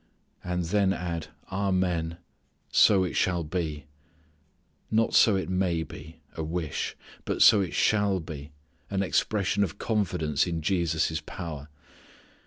And then add amen so it shall be. Not so may it be a wish, but so it shall be an expression of confidence in Jesus' power.